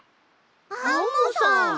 アンモさん！